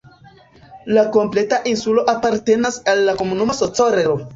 La kompleta insulo apartenas al la komunumo Socorro.